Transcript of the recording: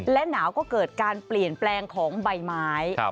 และหนาวก็เกิดการเปลี่ยนแปลงของใบไม้